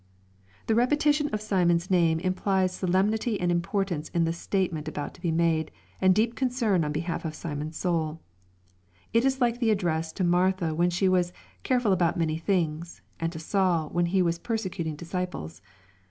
'] The repetition of Simon's name implies solemnity and importance in the statement about to be made^ and deep concern on behalf of Simon's souL It is like the address to Martha, when she was " careful about many things," and to Saul, when he was persecuting disciples.